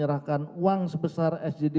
jakarta joya ennard elias mem remyelita